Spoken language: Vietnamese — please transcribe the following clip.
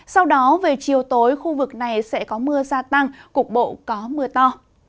sau đó về chiều tối khu vực này sẽ có mưa gia tăng cục bộ có mưa to